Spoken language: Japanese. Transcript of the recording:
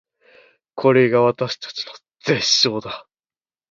これが私たちの絶唱だー